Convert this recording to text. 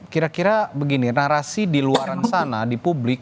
kira kira begini narasi di luar sana di publik